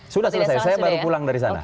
sudah selesai saya baru pulang dari sana